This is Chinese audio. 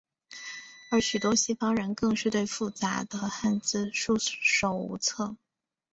而许多西方人更是对复杂的汉字束手无策。